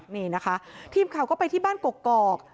นี่นะคะทีมข่าวก็ไปที่บ้านกกอก